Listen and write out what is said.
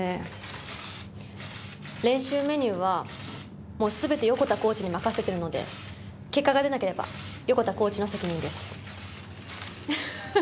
練習メニューは、もうすべて横田コーチに任せてるので、結果が出なければ、横田コーチの責任です。